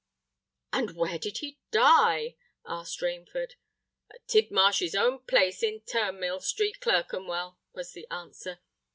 "And where did he die?" asked Rainford. "At Tidmarsh's own place in Turnmill Street, Clerkenwell," was the answer.